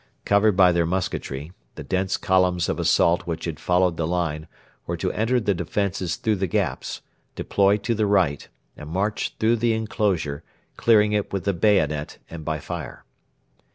Covered by their musketry, the dense columns of assault which had followed the line were to enter the defences through the gaps, deploy to the right, and march through the enclosure, clearing it with the bayonet and by fire.